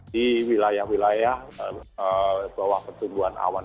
di wilayah wilayah bawah pertumbuhan awan